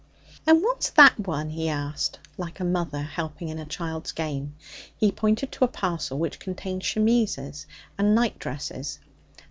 'And what's that one?' he asked, like a mother helping in a child's game. He pointed to a parcel which contained chemises and nightdresses.